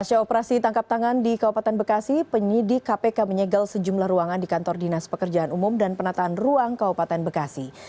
pasca operasi tangkap tangan di kabupaten bekasi penyidik kpk menyegel sejumlah ruangan di kantor dinas pekerjaan umum dan penataan ruang kabupaten bekasi